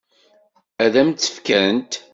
Ad m-tt-fkent?